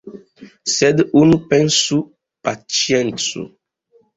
Sed nu, pensu, paĉiencu.